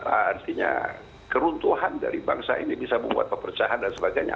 artinya keruntuhan dari bangsa ini bisa membuat perpecahan dan sebagainya